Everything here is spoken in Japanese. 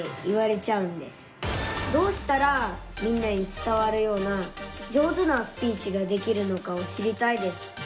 どうしたらみんなに伝わるような上手なスピーチができるのかを知りたいです。